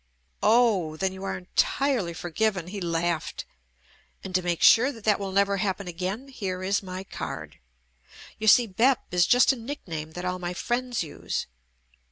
"Oh, then you are entirely forgiven," he laughed, "and to make sure that that will never happen again, here is my card. You see 'Bep' is just a nickname that all my friends use."